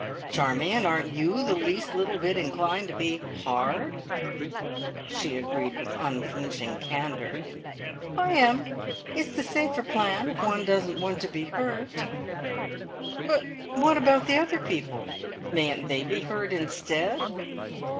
"Charmion, aren't you the least little bit inclined to be hard?" She agreed with unflinching candour. "I am. It's the safer plan if one doesn't want to be hurt!" "But what about the other people? Mayn't they be hurt instead?"